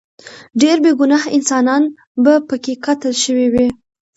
ډیر بې ګناه انسانان به پکې قتل شوي وي.